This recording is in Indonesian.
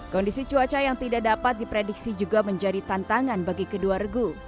kondisi cuaca yang tidak dapat diprediksi juga menjadi tantangan bagi kedua regu